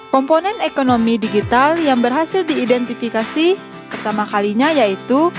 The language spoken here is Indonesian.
komponen ekonomi digital yang berhasil diidentifikasi pertama kalinya yaitu